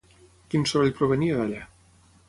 Quin soroll provenia d'allà?